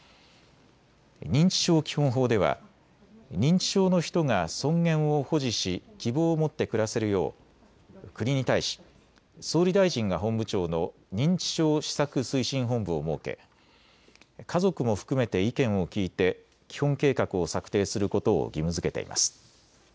認知症基本法では認知症の人が尊厳を保持し希望を持って暮らせるよう国に対し、総理大臣が本部長の認知症施策推進本部を設け家族も含めて意見を聞いて基本計画を策定することを義務づけています。